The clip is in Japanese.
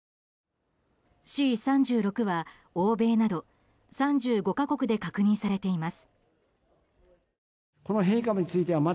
Ｃ３６は欧米など３５か国で確認されています。